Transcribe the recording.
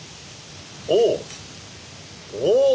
おお！